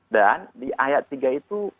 dan di ayat tiga itu